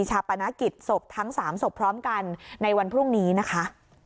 ชาปนกิจศพทั้ง๓ศพพร้อมกันในวันพรุ่งนี้นะคะ